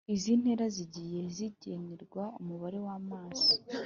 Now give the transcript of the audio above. Izi ntera zigiye zigenerwa umubare w’amasomo